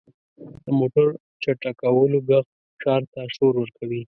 • د موټر چټکولو ږغ ښار ته شور ورکوي.